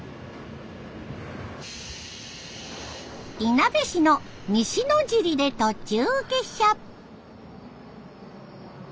いなべ市の西野尻で途中下車。